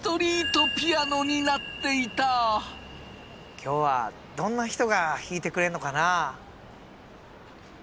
今日はどんな人が弾いてくれんのかなあ？